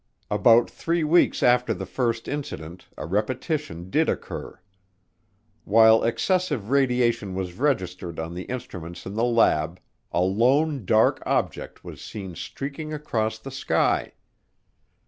About three weeks after the first incident a repetition did occur. While excessive radiation was registering on the instruments in the lab, a lone dark object was seen streaking across the sky.